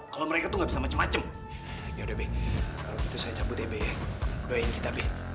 kalau mereka tuh nggak bisa macem macem yaudah kalau gitu saya cabut ya doain kita